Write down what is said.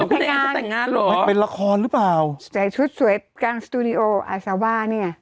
พี่แอนจะแต่งงานเหรอเป็นละครหรือเปล่าใส่ชุดสวยกลางสตูดิโออาซาว่าเนี่ย